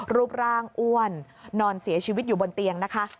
รูปร่างอ้วนนอนเสียชีวิตอยู่บนเตียงนะคะ